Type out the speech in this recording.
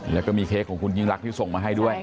และก็มีเค้กของคุณที่ส่งมาให้ด้วย